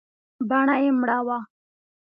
بڼه يې مړه وه .